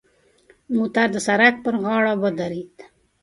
موټر د سړک پر غاړه ودرید.